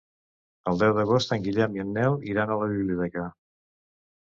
El deu d'agost en Guillem i en Nel iran a la biblioteca.